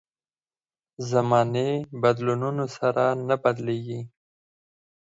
زمانې بدلونونو سره نه بدلېږي.